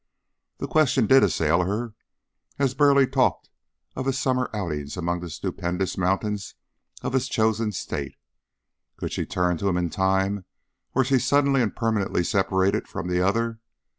The question did assail her as Burleigh talked of his summer outings among the stupendous mountains of his chosen State could she turn to him in time were she suddenly and permanently separated from the other?